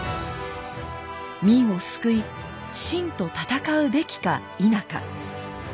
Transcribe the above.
明を救い清と戦うべきか否か。